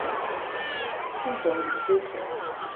記得你是誰